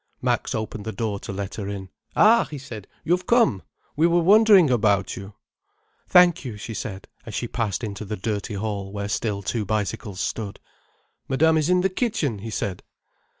Max opened the door to let her in. "Ah!" he said. "You've come. We were wondering about you." "Thank you," she said, as she passed into the dirty hall where still two bicycles stood. "Madame is in the kitchen," he said.